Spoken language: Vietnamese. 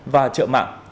và chợ mạng